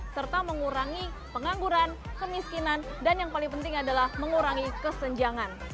serta mengurangi pengangguran kemiskinan dan yang paling penting adalah mengurangi kesenjangan